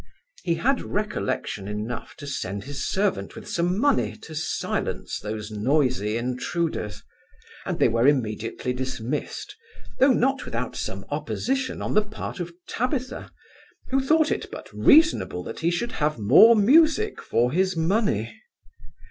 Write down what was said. He had recollection enough to send his servant with some money to silence those noisy intruders; and they were immediately dismissed, though not without some opposition on the part of Tabitha, who thought it but reasonable that he should have more music for his money.